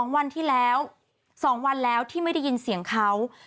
วันที่แล้ว๒วันแล้วที่ไม่ได้ยินเสียงเขา